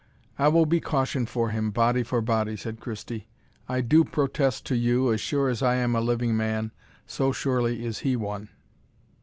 "I will be caution for him, body for body," said Christie. "I do protest to you, as sure as I am a living man, so surely is he one."